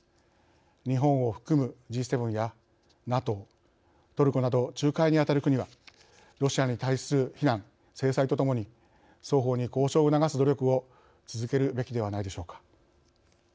日本を含むＧ７やＮＡＴＯトルコなど仲介にあたる国はロシアに対する非難、制裁とともに双方に交渉を促す努力を続けるべきではないでしょうか。